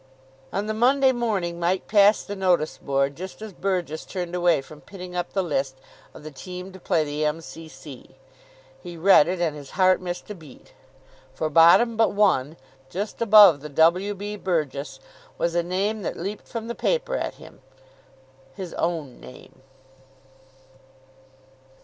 On the Monday morning Mike passed the notice board just as Burgess turned away from pinning up the list of the team to play the M.C.C. He read it, and his heart missed a beat. For, bottom but one, just above the W. B. Burgess, was a name that leaped from the paper at him. His own name.